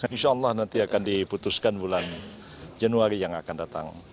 insya allah nanti akan diputuskan bulan januari yang akan datang